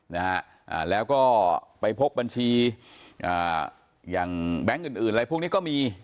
นะฮะอ่าแล้วก็ไปพบบัญชีอ่าอย่างแบงค์อื่นอื่นอะไรพวกนี้ก็มี